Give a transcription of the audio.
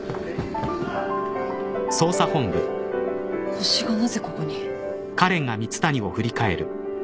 ホシがなぜここに？